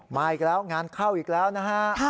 มาอีกแล้วงานเข้าอีกแล้วนะฮะ